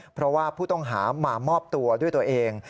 เพราะว่าผู้ต้องหามามอบตัวด้วยตัวเอง